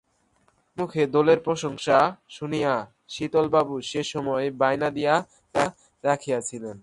লোকমুখে দলের প্রশংসা শুনিয়া শীতলবাবু সেই সময় বায়না দিয়া রাখিয়াছিলেন।